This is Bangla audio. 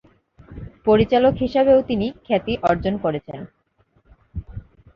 পরিচালক হিসেবেও তিনি খ্যাতি অর্জন করেছেন।